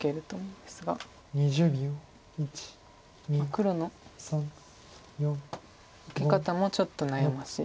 黒の受け方もちょっと悩ましいです。